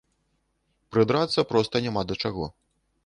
Прыдрацца проста няма да чаго.